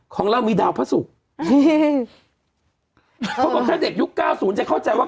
ของเรามีดาวพระศุกร์เขาบอกถ้าเด็กยุคเก้าศูนย์จะเข้าใจว่า